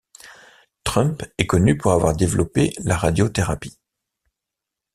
Trump est connu pour avoir développé la radiothérapie.